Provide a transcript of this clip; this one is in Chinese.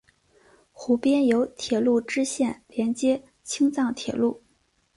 湖边有铁路支线连接青藏铁路。